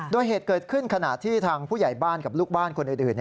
โดยเหตุเกิดขึ้นขณะที่ทางผู้ใหญ่บ้านกับลูกบ้านคนอื่น